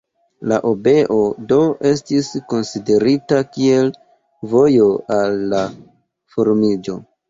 La obeo, do, estis konsiderita kiel vojo al la formiĝo.